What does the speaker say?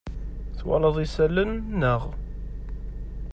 Twalaḍ isalan, naɣ?